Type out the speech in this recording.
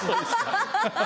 ハハハハ！